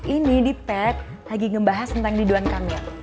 ini di pet lagi ngebahas tentang diduan kamer